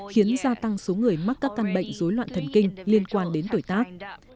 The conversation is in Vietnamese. khiến gia tăng số người mắc các căn bệnh dối loạn thần kinh liên quan đến tuổi tác